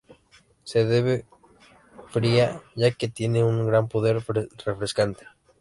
Se bebe fría ya que tiene un gran poder refrescante.